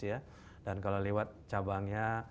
ya dan kalau lewat cabangnya